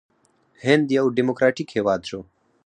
هند یو ډیموکراټیک هیواد شو.